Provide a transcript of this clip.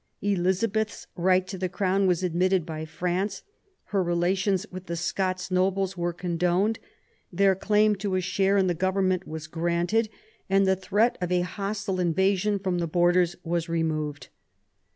Elizabeth's right to the Crown was admitted by France; her relations with the Scots nobles were condoned, their claim to a share in the Government was granted ; and the threat of a hostile invasion from the Borders was removed.